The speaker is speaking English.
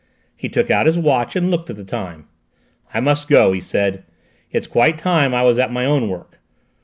He took out his watch and looked at the time. "I must go," he said; "it's quite time I was at my own work.